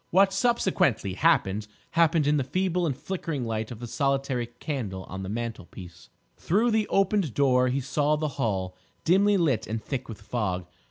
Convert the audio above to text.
What subsequently happened, happened in the feeble and flickering light of the solitary candle on the mantlepiece. Through the opened door he saw the hall, dimly lit and thick with fog.